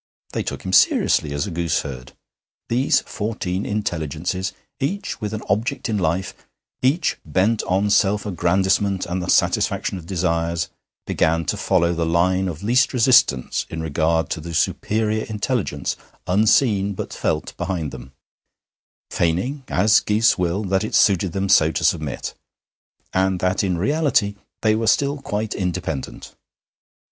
They took him seriously as a gooseherd. These fourteen intelligences, each with an object in life, each bent on self aggrandisement and the satisfaction of desires, began to follow the line of least resistance in regard to the superior intelligence unseen but felt behind them, feigning, as geese will, that it suited them so to submit, and that in reality they were still quite independent.